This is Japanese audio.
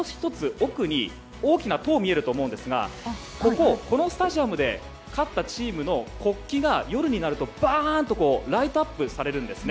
奥に大きな塔が見えると思いますがここ、このスタジアムで勝ったチームの国旗が国旗が夜になるとライトアップされるんですね。